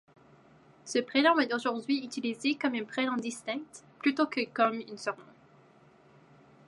Ce prénom est aujourd'hui utilisé comme un prénom distinct, plutôt que comme un surnom.